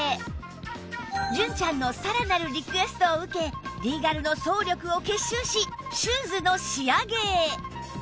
純ちゃんのさらなるリクエストを受けリーガルの総力を結集しシューズの仕上げへ！